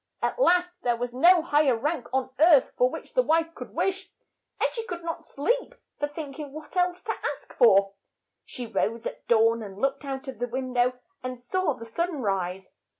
At last there was no high er rank on earth for which the wife could wish, and she could not sleep for think ing what else to ask for, She rose at dawn, and looked out of the win dow, and saw the sun rise.